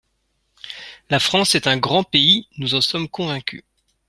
La France est un grand pays, nous en sommes convaincus.